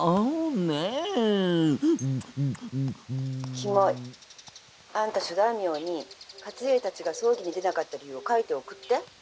「きもい。あんた諸大名に勝家たちが葬儀に出なかった理由を書いて送って」。